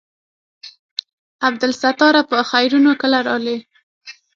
عبدالستاره په خيرونه کله رالې.